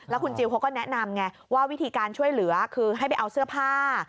คุณจิลเขาก็แนะนำไงว่าวิธีการช่วยเหลือคือให้ไปเอาเสื้อผ้า